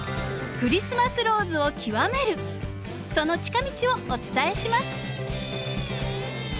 その近道をお伝えします。